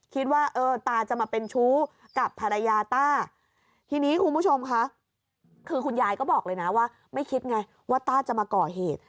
คิดว่าเออตาจะมาเป็นชู้กับภรรยาต้าทีนี้คุณผู้ชมค่ะคือคุณยายก็บอกเลยนะว่าไม่คิดไงว่าต้าจะมาก่อเหตุ